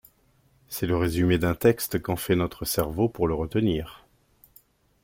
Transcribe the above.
C'est le résumé d'un texte qu'en fait notre cerveau pour le retenir.